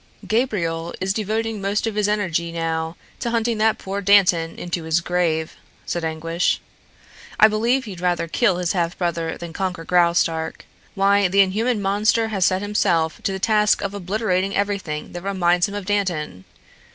"Gabriel is devoting most of his energy now to hunting that poor Dantan into his grave," said Anguish. "I believe he'd rather kill his half brother than conquer Graustark. Why, the inhuman monster has set himself to the task of obliterating everything that reminds him of Dantan.